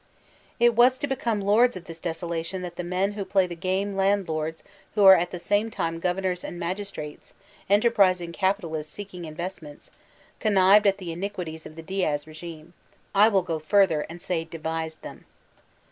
It was to become lords of this desolation that the men who play the game — ^landlords who are at the same time governors and magistrates, enterprising capitalists seek ing investments— connived at the iniquities of the Diax regime ; I mil go further and say devised them.